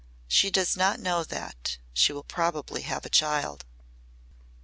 She does not know that she will probably have a child."